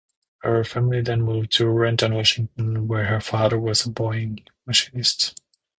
Her family then moved to Renton, Washington, where her father was a Boeing machinist.